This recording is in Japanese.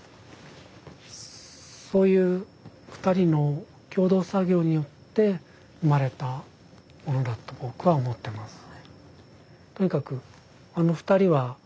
そういう二人の共同作業によって生まれたものだと僕は思ってます。